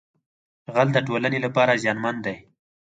غل د ټولنې لپاره زیانمن دی